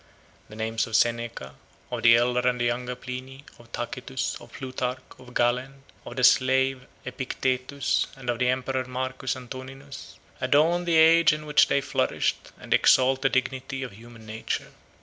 The names of Seneca, of the elder and the younger Pliny, of Tacitus, of Plutarch, of Galen, of the slave Epictetus, and of the emperor Marcus Antoninus, adorn the age in which they flourished, and exalt the dignity of human nature.